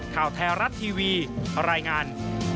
ข่าวไทยรัฐทีวีรายงาน